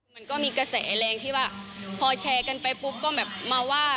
มันก็มีกระแสแรงที่ว่าพอแชร์กันไปปุ๊บก็แบบมาว่า